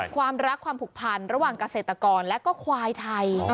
ความรักความผูกพันระหว่างเกษตรกรและก็ควายไทย